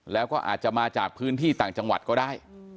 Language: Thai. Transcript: แล้วก็อาจจะมาจากพื้นที่ต่างจังหวัดก็ได้